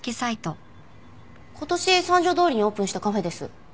今年三条通にオープンしたカフェです。